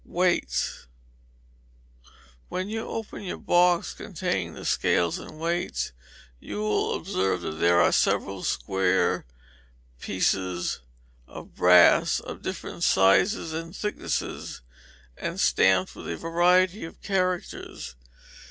Weights. When you open your box containing the scales and weights, you will observe that there are several square pieces of brass, of different sizes and thicknesses, and stamped with a variety of characters.